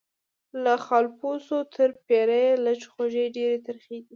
له خالپوڅو تر پیریه لږ خوږې ډیري ترخې دي